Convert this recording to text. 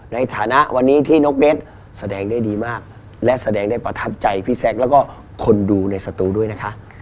ในฐานะวันนี้ที่นกเบสแสดงได้ดีมากและแสดงได้ประทับใจพี่แซ็กแล้วก็คนดูในสตูด้วยนะคะ